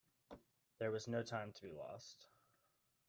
There was no time to be lost.